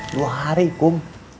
dua hari kum